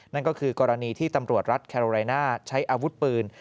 นั่นก็คือกรณีที่ตำรวจรัฐแคโรไรน่าใช้อาวุธปืน